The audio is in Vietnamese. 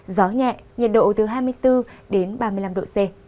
gió nhẹ nhiệt độ từ hai mươi bốn đến ba mươi năm độ c